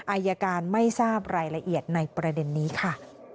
อายการไม่ทราบรายละเอียดในประเด็นนี้ค่ะ